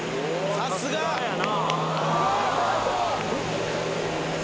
さすがやな